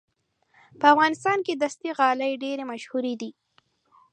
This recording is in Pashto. په افغانستان کې دستي غالۍ ډېرې مشهورې دي.